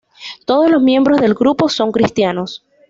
Todos los miembros del grupo son cristianos.